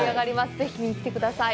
ぜひ見てください。